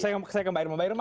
saya ke mbak irma